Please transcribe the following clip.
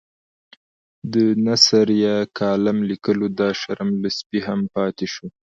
د نثر یا کالم لیکلو دا شرم له سپي هم چاپ شو.